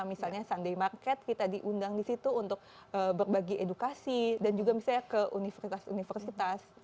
misalnya sunday market kita diundang di situ untuk berbagi edukasi dan juga misalnya ke universitas universitas